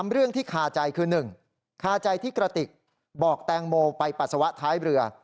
เรื่องที่คาใจคือ๑คาใจที่กระติกบอกแตงโมไปปัสสาวะท้ายเรือ